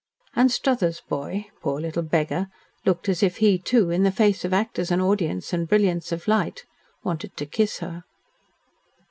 Anstruthers' boy poor little beggar looked as if he, too, in the face of actors and audience, and brilliance of light, wanted to kiss her.